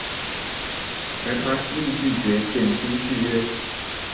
而他亦拒绝减薪续约。